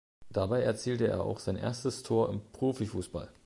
Dabei erzielte er auch sein erstes Tor im Profifußball.